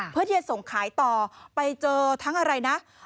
เพื่อที่จะส่งขายต่อไปเจอทั้งอะไรนะ